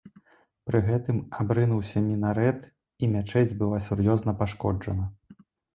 Пры гэтым абрынуўся мінарэт і мячэць была сур'ёзна пашкоджана.